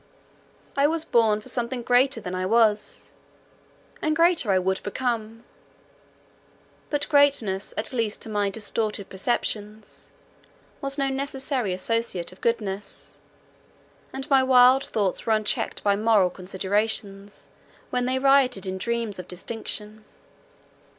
I was born for something greater than I was—and greater I would become; but greatness, at least to my distorted perceptions, was no necessary associate of goodness, and my wild thoughts were unchecked by moral considerations when they rioted in dreams of distinction.